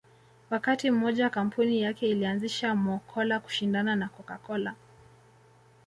Wakati mmoja kampuni yake ilianzisha Mo Cola kushindana na Coca Cola